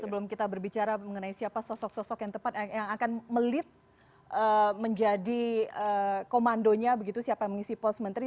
sebelum kita berbicara mengenai siapa sosok sosok yang tepat yang akan melit menjadi komandonya begitu siapa yang mengisi pos menteri